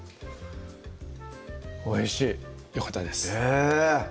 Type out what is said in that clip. おいしいよかったです